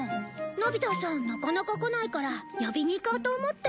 のび太さんなかなか来ないから呼びに行こうと思って。